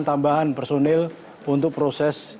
tambahan personil untuk proses